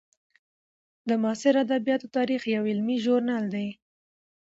د معاصرو ادبیاتو تاریخ یو علمي ژورنال دی.